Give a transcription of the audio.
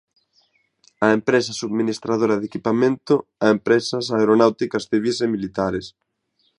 A empresa e subministradora de equipamento a empresas aeronáuticas civís e militares.